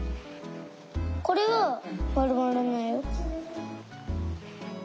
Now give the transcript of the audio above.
これはまるまらないよ。